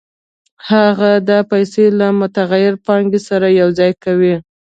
هغه دا پیسې له متغیرې پانګې سره یوځای کوي